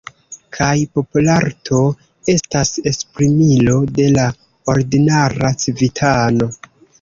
Kaj popolarto estas esprimilo de la ordinara civitano.